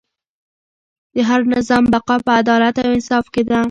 د هر نظام بقا په عدالت او انصاف کې ده.